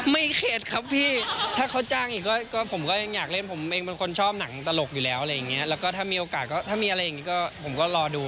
เคล็ดครับพี่ถ้าเขาจ้างอีกก็ผมก็ยังอยากเล่นผมเองเป็นคนชอบหนังตลกอยู่แล้วอะไรอย่างเงี้ยแล้วก็ถ้ามีโอกาสก็ถ้ามีอะไรอย่างนี้ก็ผมก็รอดู